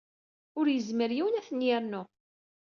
Ur yezmir yiwen ad ten-yernu.